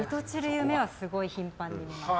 夢はすごい頻繁に見ます。